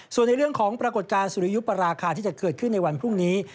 ส่วนในเรื่องของปรากฏการณ์สุริยุปราคาที่จะเกิดขึ้นในวันพรุ่งนี้